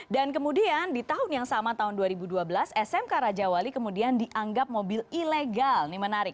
dan kemudian di tahun yang sama tahun dua ribu dua belas smk raja wali kemudian dianggap mobil ilegal ini menarik